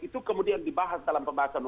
itu kemudian dibahas dalam pembahasan